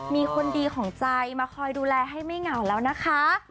มีคนดีของใจมาคอยดูแลให้ไม่เหงาแล้วนะคะ